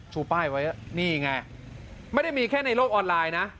ชูป้ายไว้นี่ไงไม่ได้มีแค่ในโลกออนไลน์นะ